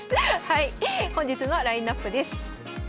はい本日のラインナップです。